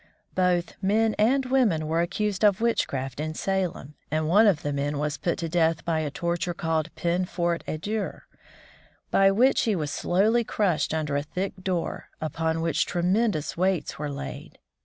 Both men and women were accused of witchcraft in Salem, and one of the men was put to death by a torture called peine forte et dure, by which he was slowly crushed under a thick door, upon which tremendous weights were laid.